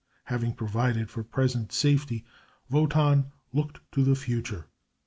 Having provided for present safety, Wotan looked to the future.